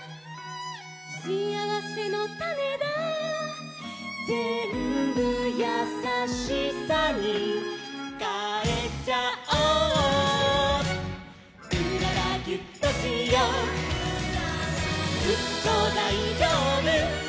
「しあわせのたねだ」「ぜんぶやさしさにかえちゃおう」「うららギュッとしよう」「ずっとだいじょうぶ」